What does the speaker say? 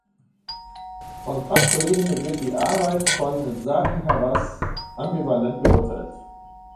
Von Fachkollegen wird die Arbeit von Zahi Hawass ambivalent beurteilt.